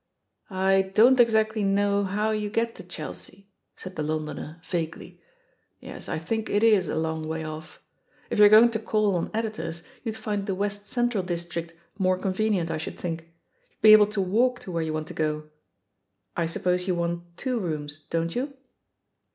"I don't exactly know how you get to Chel sea," said the Londoner vaguely. "Yes, I think it 18 a long way off. If you're going to call on editors, you'd find the West Central district more convenient, I should think ; you'd be able to walk to where you want to go. ... I suppose you want two rooms, don't you?"